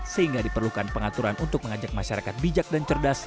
sehingga diperlukan pengaturan untuk mengajak masyarakat bijak dan cerdas